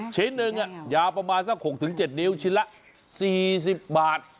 ชิ้นหนึ่งอ่ะยาประมาณสักหกถึงเจ็ดนิ้วชิ้นละสี่สิบบาท